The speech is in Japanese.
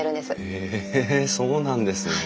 へえそうなんですね。